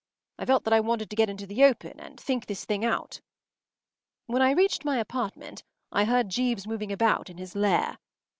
I felt that I wanted to get into the open and think this thing out. When I reached my apartment I heard Jeeves moving about in his lair.